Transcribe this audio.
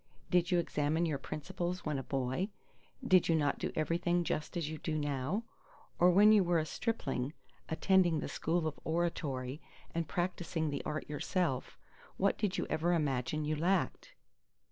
Did you examine your principles when a boy? Did you not do everything just as you do now? Or when you were a stripling, attending the school of oratory and practising the art yourself, what did you ever imagine you lacked?